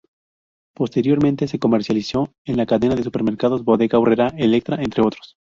Posteriormente se comercializó en la cadena de supermercados Bodega Aurrera, Elektra, entre otros.